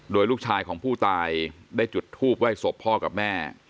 โดยลูกชายของผู้ตายได้จุดทูปไหว้ศพพ่อกับแม่